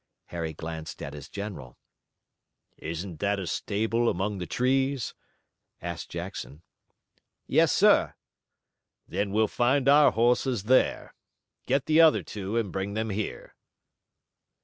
Harry glanced at his general. "Isn't that a stable among the trees?" asked Jackson. "Yes, sir." "Then we'll find our horses there. Get the other two and bring them here."